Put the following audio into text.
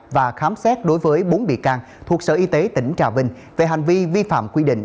và khám xét đối với bốn bị can thuộc sở y tế tỉnh trà vinh về hành vi vi phạm quy định